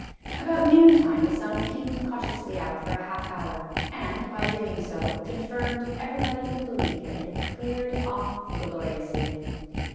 About noontime the sun peeped cautiously out for a half hour, and, by so doing, confirmed everybody in the belief that it had cleared off gloriously.